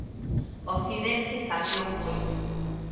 Occidente cambiou moito.